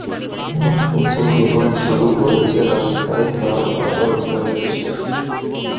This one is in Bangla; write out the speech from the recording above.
যে জীবন শুরু করেছে রাস্তায়, তার আবার ভয় কিসের?